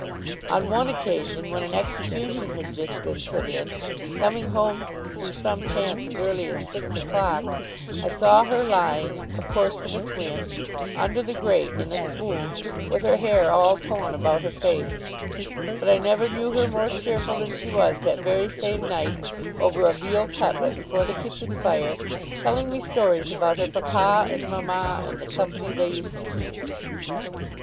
On one occasion, when an execution had just been put in, coming home through some chance as early as six o'clock, I saw her lying (of course with a twin) under the grate in a swoon, with her hair all torn about her face; but I never knew her more cheerful than she was, that very same night, over a veal cutlet before the kitchen fire, telling me stories about her papa and mama, and the company they used to keep.